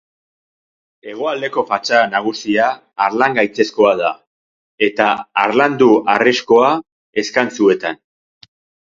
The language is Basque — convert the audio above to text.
Hegoaldeko fatxada nagusia harlangaitzezkoa da, eta harlandu-harrizkoa eskantzuetan.